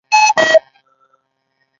نړۍ موږ د اتلانو په نوم پیژني.